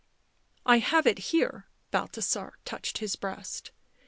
" I have it here." Balthasar touched his breast.